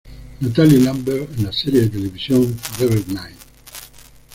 Natalie Lambert en la serie de televisión "Forever Knight".